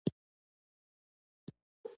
د ټیکنالوژۍ پراختیا د انسان د ذهن انعکاس دی.